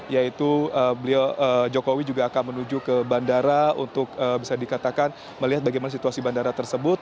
yaitu beliau jokowi juga akan menuju ke bandara untuk bisa dikatakan melihat bagaimana situasi bandara tersebut